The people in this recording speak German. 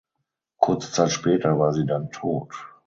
Kurze Zeit später war sie dann tot.